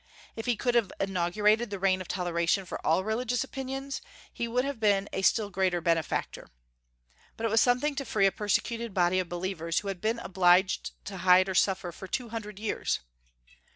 If he could have inaugurated the reign of toleration for all religious opinions, he would have been a still greater benefactor. But it was something to free a persecuted body of believers who had been obliged to hide or suffer for two hundred years.